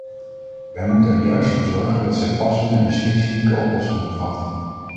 Wij moeten er juist voor zorgen dat zij passende en specifieke oplossingen bevatten.